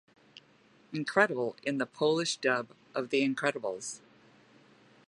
Incredible in the Polish dub of "The Incredibles".